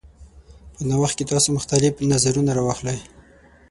په نوښت کې تاسو مختلف نظرونه راخلئ.